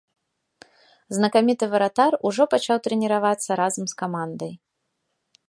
Знакаміты варатар ужо пачаў трэніравацца разам з камандай.